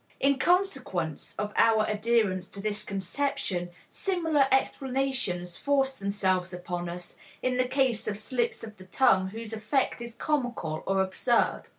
In consequence of our adherence to this conception, similar explanations force themselves upon us, in the case of slips of the tongue whose effect is comical or absurd.